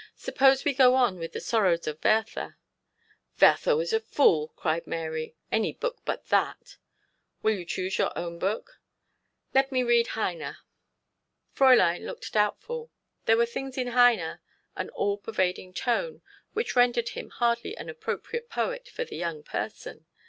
'Suppose we go on with the "Sorrows of Werther."' 'Werther was a fool,' cried Mary; 'any book but that.' 'Will you choose your own book?' 'Let me read Heine.' Fräulein looked doubtful. There were things in Heine an all pervading tone which rendered him hardly an appropriate poet for 'the young person.'